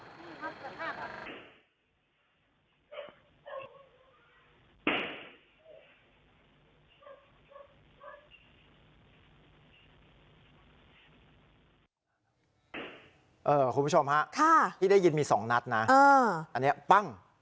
คุณผู้ชมฮะที่ได้ยินมี๒นัดนะอันนี้ปั้ง